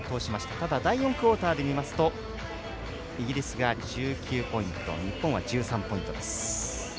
ただ、第４クオーターで見ますとイギリスが１９ポイント日本は１３ポイントです。